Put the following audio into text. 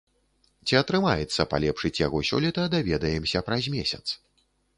Ці атрымаецца палепшыць яго сёлета, даведаемся праз месяц.